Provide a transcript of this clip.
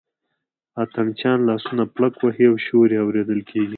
اتڼ چیان لاسونه پړک وهي او شور یې اورېدل کېږي.